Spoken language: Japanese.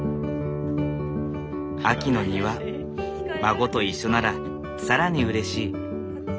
秋の庭孫と一緒なら更にうれしい。